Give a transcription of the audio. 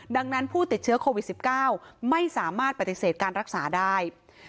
ดังนั้นผู้ติดเชื้อโควิด๑๙ไม่สามารถปฏิเสธการรักษาได้